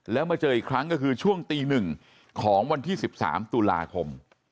แล้วมาเจออีกครั้งก็คือช่วงตี๑ของวันที่๑๓ตุลาคม